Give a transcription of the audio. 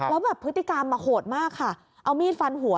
แล้วแบบพฤติกรรมโหดมากค่ะเอามีดฟันหัว